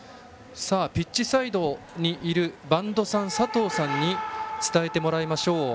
ピッチサイドにいる播戸さん、佐藤さんに伝えてもらいましょう。